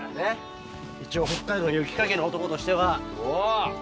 一応北海道の雪かきの男としては。